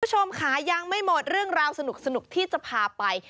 คุณผู้ชมค่ะยังไม่หมดเรื่องราวสนุกที่จะพาไป